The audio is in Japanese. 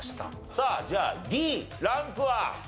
さあじゃあＤランクは？